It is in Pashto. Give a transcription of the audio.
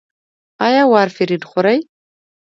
ایا وارفرین خورئ؟